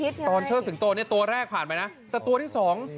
ตอนเชิดสิงโตตัวแรกผ่านไปนะแต่ตัวที่๒